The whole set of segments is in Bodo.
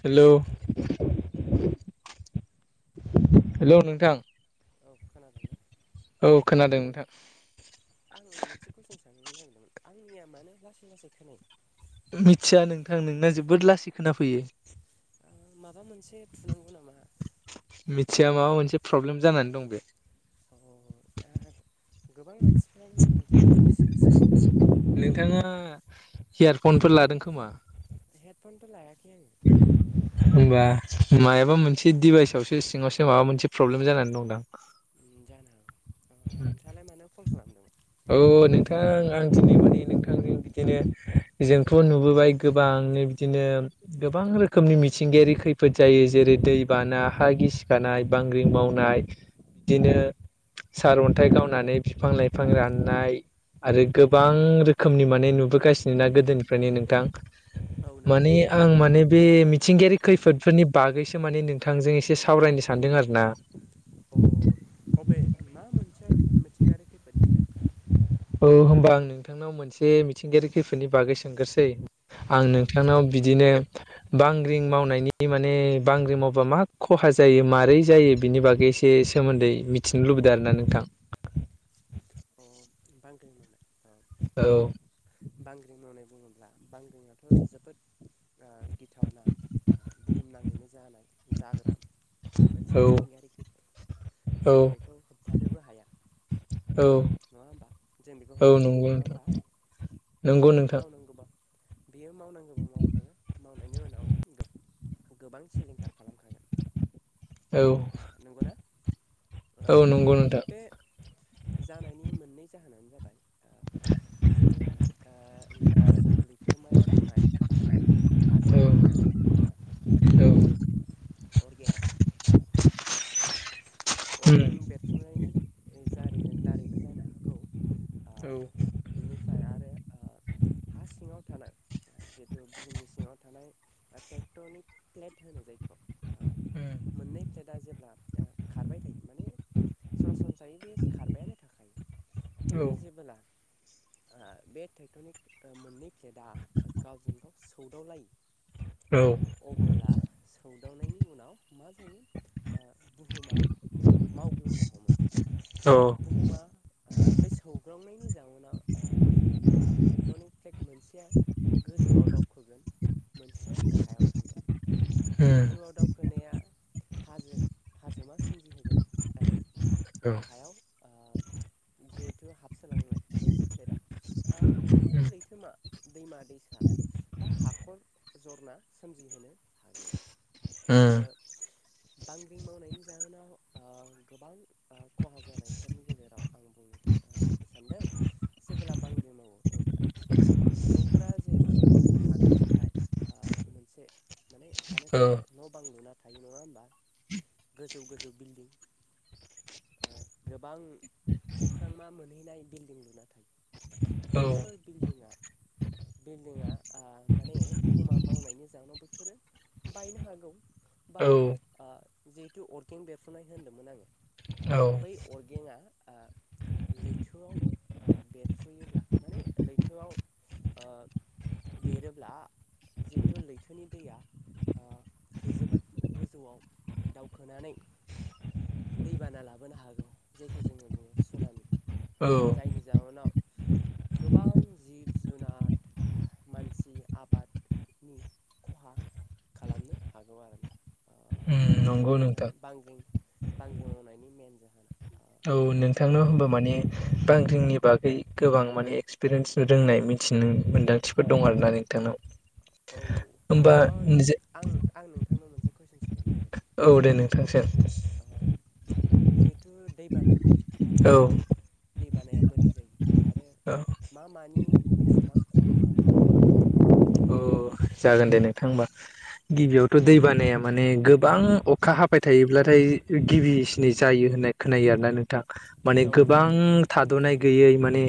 हेल' हेलौ हेलौ हेल' नोंथां। औ खोनादों ना? औ खोनादों नोंथां। आं मोनसे कुइसन साननो नागिरदोंमोन आंनिया मानो लासै लासै खोनायो? मिथिया नोंथां नोंना जोबोद लासै खोनाफैयो। माबा मोनसे थुनांगौ नामा? एसे प्रब्लेम जानानै दं बे। औ दा गोबां मानसिफ्रानो बुंङोदि आंना लासै लासै खोनायो। नोंथाङा इयारफनफोर लादों खोमा? हेडफनथ' लायाखै आं। होनबा मायाबा मोनसे दिडिभाइसआवसो सिङावसो माबा मोनसे प्रब्लेम जानानै दंदां। जानो हागौ। अ नोंथाङालाय मानो कल खालामदोंमोन औ नोंथां आं दिनै माने नोंथां। बिदिनो जोंथ' नुबोबाय गोबांनो बिदिनो गोबां रोखोमनि मिथिंगाय खैफोद जायो जेरै दै बाना हा गिसिखानाय बांग्रिं मावनाय। बिदिनो सारअन्थाइ गावनानै बिफां लाइफां राननाय। आरो गोबां रोखोमनि माने नुबोगासिनो ना गोदोनिफ्रायनो नोंथां। औ नंगौ माने नंगौ आं माने बे मिथिंगायारि खैफोदफोरनि बागैसो माने नोंथांजों एसे सावरायनो सानदों आरोना। [inaudible] मिथिंगारि खैफोदनि सायाव। औ होनोमबा आं नोंथांनाव मोनसे मिथिंगायारि खैफोदनि बागै सोंगोरसै। आं औ नोंथांनाव जागोन दे बिदिनो बांग्रिं मावनायनि बे माने बांग्रि मावबा मा खहा जायो माबारै जायो बिनि बागै एसे सोमोन्दै मिथिनो लुबै लुगैदों आरोना नोंथां। बांग्रि मावनाय औ औ बांग्रि मावनाय बुङोब्ला बांग्रिंआथ' जोबोद गिथावना बुहुमनाङैनो जानाय जाग्रा मोनसे औ मिथिंगायारि खैफोद औ जों बेखौ होबथानोबो हाया। औ नङा होमबा जों बेखौ औ होबथानो नंगौ हाया नङा नोंथां होमबा नंगौ बेयो नोंथां मावनांगौबा। बेयो मावनांगौबो मावखागोन मावनायनि उनाव गोबां सिलिंखार खालामखागोन। औ ओ नंगौना ओ औ नंगौ नोंथां। नि मोननै जाहोनानो जाबाय ओ [inaudible] जेब्ला ओ लैथो लैथोमायाव थानाय बा औ हाजोआव थानाय ओ औ जिहेथु अर्गें। ओ उम अर्गें बेरफ्रुनायनि जारैबो दारैबो जानो हागौ ओ औ उम औ बिनिफ्राय आरो ओ [inaudible] हा सिङाव थानाय जिहेतु बुहुमनि सिङाव थानाय ट्रेक्टरनिक प्लेट होनो जायखौ ओ [inaudible] मोननै फ्लेटआ जेब्ला खारबाय थायो माने सरासनस्रायै बे थाखाय औ खिन्थु उम जेबोला बे ट्रेक्टरनि मोननै प्लेटआ गावजों गाव सौदावलायो औ अबोला। सौदावनायनि उनाव मा जायो बुहुमा मावग्लुंनो हमो। औ बुहुमा बे सौग्रावनायनि जाउनाव। ट्रेक्टरनिक टेक मोनसेया गोजौआव दावखोगोन। मोनसेया गाहायाव थांगोन। गोजौआव दावखोनाया हाजो हाजोमा सोमजिहोगोन आरो। गाहायाव ओ [inaudible] जिहेथु हाबसोलांनाय मोनसे प्लेटआ लैथो लैथोमा दैमा दैसा। बा हाखर जरना सोमजिहोनो हागौ। ओम ओ बांग्रिं मावनायनि जाहोनाव गोबां खहा जानाय फोरनि गेजेराव आं बुंनो सानदों जेब्ला बांग्रि मावो अब्ला। सुबुंफोरा जिहेथु थानो थाखाय मोनसे माने थानो थाखाय। न' बां लुना थायो नङा होमबा गोजौ गोजौ बिल्दिं। [inaudible] गोबां अख्रांमा मोनहैनाय बिल्दिं लुनाय बैफोर बिल्दिंआ। बिल्डिंआ माने बुहुमा मावनायनि जाहोनाव बेफोरो बायनो हागौ। बा जिहेतु अरगें बेरफ्रुनाय होनदोंमोन आङो औ बै अरगेंआ लैथोआव बेरफ्रुयोब्ला माने लैथोआव बेरोब्ला जिहेथु लैथोनि दैया जोबोद गोजौआव दावखोनानै दै बाना लाबो लाबोनो हागौ जायखौ जोङो बुङो सनाामि औ जायनि जाउोनाव गोबां जिब जुनार मानसि आबाद नि खहा खालामनो हागौ आरोना उम बेनो नंगौ आरोना नोंथां बांग्रिं बांग्रिं मावनायनि मेन जाहोना औ नोंथांनाव नों होनबा माने बांंग्रिं बागै गोबां माने एक्सपिरियेन्स रोंनाय मिथिनो मोन्दांथिफोर दं आरो ना नोंथांनाव औ होमबा आं आं नोंथांनाव मोनसे कुइसन सोंहरनो नागिरदों औ दे नोंथां सों ओ जिहेथु दैबाना औ दै बानाया बोरै जायो आरो औ मा मानि बेसेबां खहा खालामनो हागौ खोन्थाहरलाय आंनो औ जागोन दे नोंथां होमबा गिबियावथ' दै बानाया माने गोबां अखा हाबाय थायोब्लाथाय गिबिसिनै जायो। होननाय खोनायो आरोना नोंथां माने गोबां थाद'नाय गैयै माने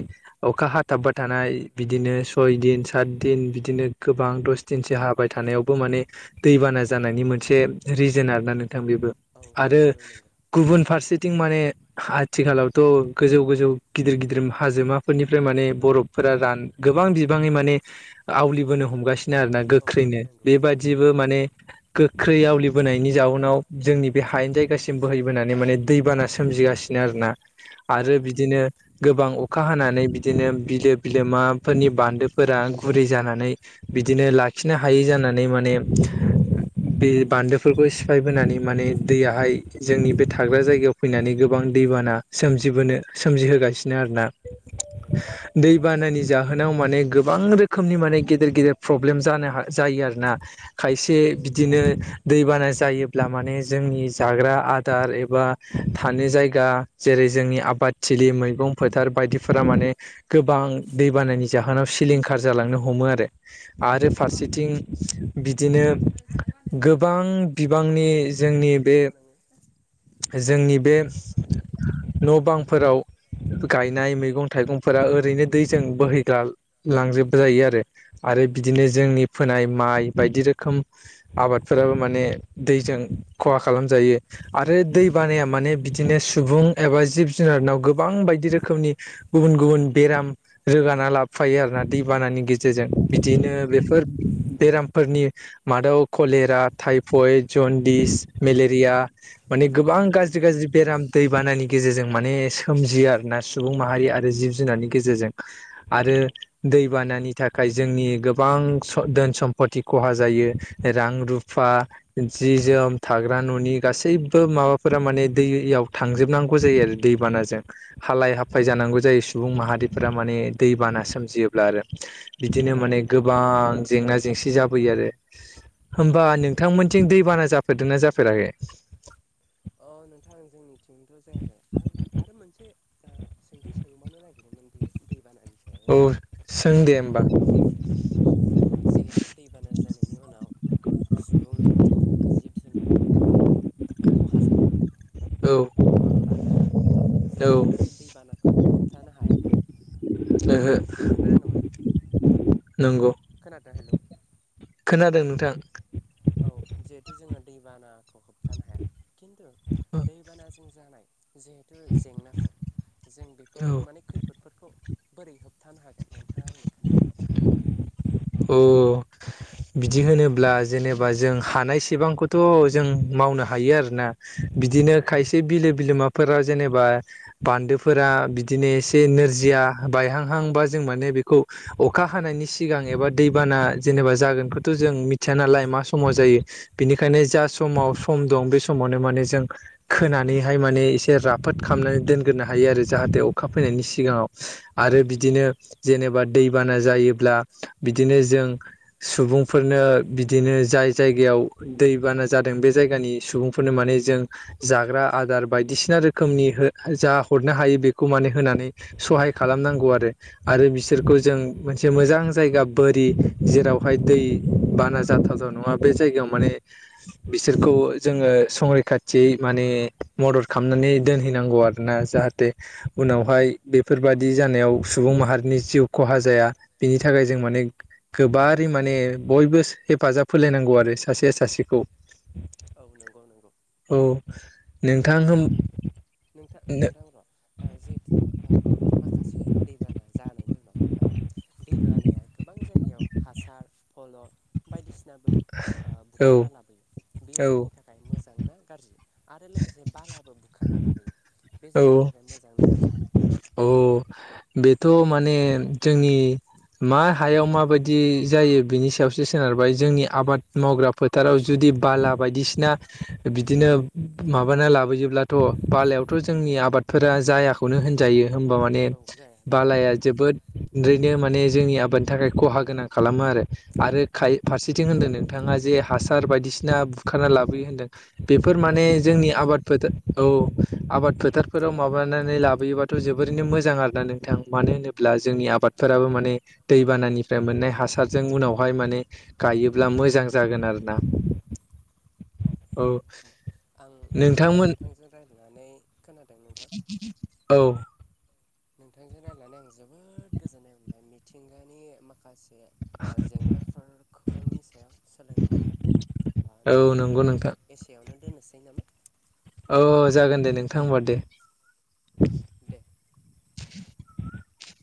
अखा हाथाबबा थानाय बिदिनो सय दिन सात दिन बिदिनो गोबां दस दिनसो हाबाय थानायावबो माने दैबाना जानायनि मोनसे रिजोन आरो ना नों बेबो औ आरो नंगौ नंगौ गुबुन फारसे बिथिं माने आथिखालावथ' गोजौ गोजौ गिदिर गिदिर हाजोमाफोरनिफ्राय माने बर'फोर रान गोबां बिबाङै माने आवलिबोनो हमगासिनो आरोना औ गोख्रैनो नंगौ बेबायदिबो नंगौ माने गोख्रैनो खै आवलिबोनायनि जाउनाव जोंनि बे हायेन जायगासिम बोहैबोनानै माने दैबाना सोमजिगासिनो आरोना औ आरो नंगौ औ नंगौ बिदिनो गोबां अखा अखा हानानै बिदिनो बिलो बिलोमाफोरनि बान्दोफोरा गुरै जानानै बिदिनो लाखिनो हायै जानानै माने बे बान्दोफोरखौ सिफायबोनानै माने दैयाहाय जोंनि बे थाग्रा जायगायाव फैनानै गोबां दैबाना सोमजिबोनो सोमजिहोगासिनो आरोना नंगौ नंगौ दैबानानि जाहोनाव माने गोबां रोखोमनि माने गेदेर गेदेर प्रब्लेम जानो जायो आरोना खायसे बिदिनो दैबाना जायोब्ला माने जों जोंनि जाग्रा आदार एबा थानाय जायगा जेरै जोंनि आबादथिलि मैगं फोथार बायदिफोरा माने गोबां दैबानानि जाहोनाव सिलिंखार जालांनो हमो आरो आरो फारसेथिं बिदिनो गोबां सोर गथ' बिबांनि नोङो ओइ जोंनि सोर बे गथ' नोङो जोंनि बे न' बांफोराव गायनाय मैगं थाइगंफोरा ओरैनो दैजों बोहैगार लांजोब जायो आरो आरो बिदिनो जोंनि फोनाय माइ बायदि रोखोम आबादफोराबो माने दैजों खहा खालामजायो आरो दै बानाया माने बिदिनो सुबुं एबा जिब जुनारनाव गोबां गोबां बायदि रोखोमनि गुबुन गुबुन बेराम रोगाना लाबोफायो आरो ना दैबानानि गेजेरजों बिदिनो नंगौ नंगौ बेफोर बेरामफोरनि मादाव कलेरा टाइफयड जन्दिस मेलेरिया माने गोबां नंगौ गाज्रि नंगौ गाज्रि बेराम दैबानानि गेजेरजों माने सोमजियो आरोना सुबुं माहारि आरो जिब जुनारनि गेजेरजों आरो नंगौ दै बानानि थाखाय जोंनि गोबां धोन सम्पति खहा जायो रां रुफा जि जोम जोम थाग्रा न'नि गासैबो माबाफोरा माने दैयाव थांजोबनांगौ जायो आरो दैबानाजों हालाय हाफाय जानांगौ नंगौ जायो सुबुं माहारिफोरा माने दैबाना सोमजियोब्ला आरो बिदिनो माने गोबां जेंना जेंसि जाबोयो आरो होमबा नोंथांमोनथिं दैबाना जाफेरदोंना जाफेराखै अ नोंथां जोंनिथिंथ' जायाखै इं आरो मोनसे दा सोंथि सोंबावनो नागिरदोंमोन बे दै बानानि औ सों दे होमबा जिहेथु जिहेथु दैबाना जानायनि उनाव सुबुंनि जिब जुनार आबादनि खहा जायो औ नङा होमबा औ जोंथ' दैबानाखौ होबथानो हाया नंगौना नङा नंगौ खोनादों हेल' खोनादों नोंथां औ जिहेथु जोङो दैबानाखौ होबथानो हाया खिन्थु दैबानाजों जानाय- जिहेथु जेंनाफोर जों औ बेफोरखौ माने खैफोदफोरखौ बोरै होबथानो हागोन। नोंथांआ आंनो खोनथाहरनो हागोन नामा? औ। बिदि होनोब्ला जेनेबा जों हानायसेबांखौथ' जों मावनो हायो आरोना। बिदिनो खायसे बिलो बिलोमाफोराव जेनेबा बान्दोफोरा बि- दिनो एसे औ नोरजिया बायहांहां बा जों माने बेखौ अखा हानायनि सिगां एबा दैबाना जेनेबा जागोनखौथ' जों मिथिया नालाय मा समाव जायो बेनिखायनो जा समाव सम दं बे समावनो माने जों खोनानैहाय माने एसे राफोद खालामनानै दोनग्रोनो हायो आरो जाहाथे अखा फैनायनि सिगाङाव आरो बिदिनो जेनेबा दैबाना जायोब्ला बिदिनो जों सुबुंफोरनो बिदिनो जाय जायगायाव दैबाना जादों बे जाय जायगानि सुबुंफोरनो माने जों जाग्रा आदार बायदिसिना रोखमनि हो जा हरनो हायो बेखौ माने होनानै सहाय खालामनांगौ आरो आरो बिसोरखौ जों मोनसे मोजां जायगा बोरि जेरावहाय दै बाना जाथावथाव नङा बे जायगायाव माने बिसोरखौ खौ जोङो संरैखाथियै माने मदद खालामनानै दोनहैनांगौ आरोना जाहाथे उनावहाय बेफोरबादि जानायाव सुबुं माहारिनि जिउ खहा जाया बेनि थाखाय जों माने गोबारै माने बयबो हेफाजाब होलायनांगौ आरो सासे सासेखौ औ नंगौ नंगौ। औ नोंथां ओ होन नोंथां नोंथां र' ओ जिहेथु ओ माखासे दैबाना जानायनि उनाव दै बानाया गोबां जायगायाव हासार फल' बायदिसिनाबो ओ औ बुखारना लाबोयो बे औ जोंनि थाखाय मोजां ना गाज्रि- आरो लोगोसे बालाबो बुखारना लाबोयो। बे औ जोंनि थाखाय मोजां ना गाज्रि औ औ बेथ' माने जोंनि मा हायाव माबायदि जायो बिनि सायावसो सोनारबाय जोंनि आबाद मावग्रा फोथाराव जुदि दि बाला बायदिसिना बिदिनो औ माबा लाबोयोब्लाथ' बालायाव- थ' जोंनि आबादफोरा जायाखौनो होनजायो होनबा माने औ जाया जाया बालाया जोबोद ओरैनो माने जोंनि आबादनि थाखाय खहा गोनां खालामो आरो औ खाय फारसेथिं होनदों नोंथा- ङा जे हासार बायदिसिना बुखारना लाबोयो होनदों। बेफोर औ माने फल' जोंनि आबाद फोथार औ आबाद फोथारफोराव माबानानै लाबोयोबाथ' जोबोरैनो मोजां आरो ना नोंथां मानो होनोब्ला जोंनि आबाद फोराबो माने दैबानानिफ्राय मोननाय हासारजों उनावहाय माने गायोब्ला मोजां जागोन आ- ना औ दे होनबा आं दिनै नोंथांमोन नोंथांजों रायज्लायनानै खोनादों नोंथां औ नोंथांजों रायज्लायनानै आं जोबोद गोजोननाय मोनबाय मिथिंगानि माखासे बे ओ जेंनाफोरखौनि सायाव सोलोंनो मोनबाय। ओ औ नोंथां नंगौ होनबा नोंथां एसेयावनो दोननोसै नामा? औ औ जागोन दे नोंथां होनबा दे। दे [inaudible]